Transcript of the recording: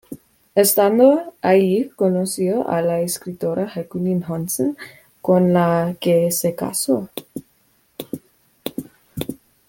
Estando allí, conoció a la escritora Jacqueline Johnson, con la que se casó.